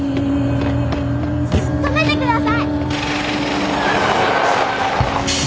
止めてください。